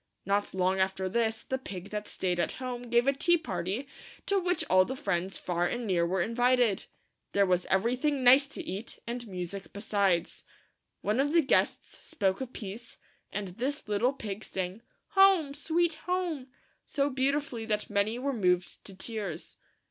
Not long after this, the pig that staid at home gave a tea party, to which all the friends far and near were invited. There was every thing nice to eat, and music besides. One of the guests spoke a piece, and this little pig sang " Home! sweet Home!" so beautifully that many were moved to tears.